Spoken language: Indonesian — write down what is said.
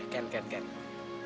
ken ken ken